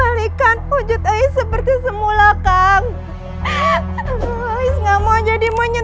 akan aku penuhi perjanjianmu